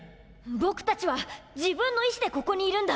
ボクたちは自分の意志でここにいるんだ！